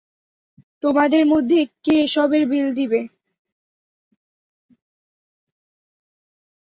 তোমাদের মধ্যে কে এসবের বিল দিবে?